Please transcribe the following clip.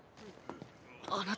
あ。